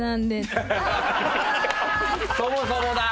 そもそもだ。